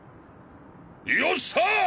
よっしゃ！